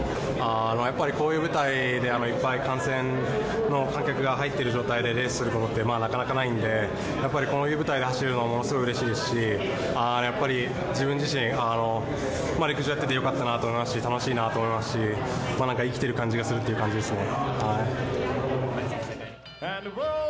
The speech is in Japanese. やっぱりこういう舞台で、いっぱい観戦の観客が入っている状態でレースすることってなかなかないので、こういう舞台で走れるのはものすごくうれしいですしやっぱり自分自身、陸上やっていて良かったなと思いますし、楽しいなと思いますし生きてる感じがするという感じですね。